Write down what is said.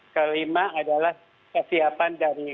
kelima adalah kesiapan dari